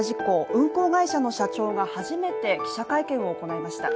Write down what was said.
運航会社の社長が初めて記者会見を行いました